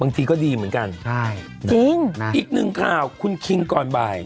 บางทีก็ดีเหมือนกันใช่จริงอีกหนึ่งข่าวคุณคิงก่อนบ่าย